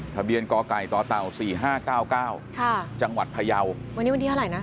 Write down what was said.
กไก่ต่อเต่าสี่ห้าเก้าเก้าค่ะจังหวัดพยาววันนี้วันที่เท่าไหร่นะ